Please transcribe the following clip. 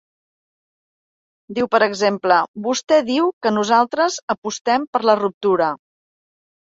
Diu, per exemple: Vostè diu que nosaltres apostem per la ruptura.